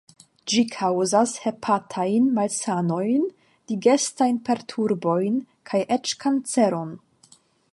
Ĝi kaŭzas hepatajn malsanojn, digestajn perturbojn kaj eĉ kanceron.